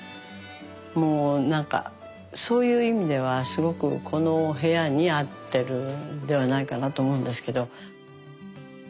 もうなんかそういう意味ではすごくこの部屋に合ってるんではないかなと思うんですけど。